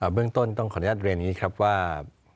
เบื้องต้นต้องขออนุญาตเรียนอย่างนี้ครับว่า